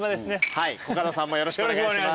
はいコカドさんもよろしくお願いします。